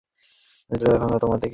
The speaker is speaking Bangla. ওয়াও, হৃদয় ভাঙ্গা তো তোমার থেকে শিখবে।